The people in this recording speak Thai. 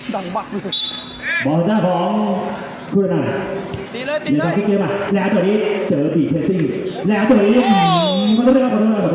ดำงากเล่นไปไม่ต้องกลัวมีกล้องเลยเองไม่ต้องกลัว